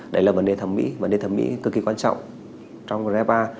đấy là vấn đề thẩm mỹ vấn đề thẩm mỹ cực kỳ quan trọng trong grep a